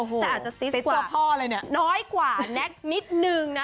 แต่อาจจะซิสกว่าน้อยกว่านักนิดนึงนะ